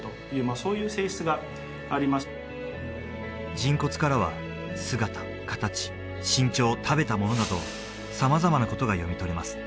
人骨からは姿形身長食べたものなど様々なことが読み取れます